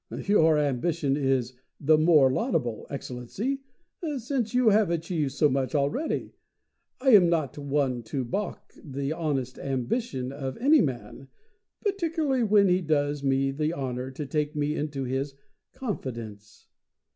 "Your ambition is the more laudable, Excellency, since you have achieved so much already. I am not one to balk the honest ambition of any man, particularly when he does me the honor to take me into his confidence.